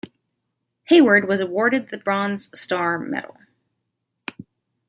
Hayward was awarded the Bronze Star Medal.